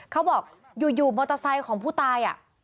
เขาบอกอยู่มอเตอร์ไซค์ของผู้ตาย